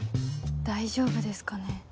大丈夫ですかね。